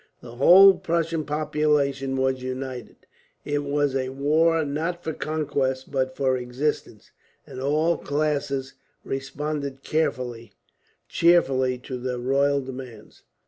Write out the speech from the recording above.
The whole Prussian population were united. It was a war not for conquest but for existence, and all classes responded cheerfully to the royal demands.